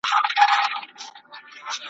چي ژړیږي که سوځیږي نا خبر دئ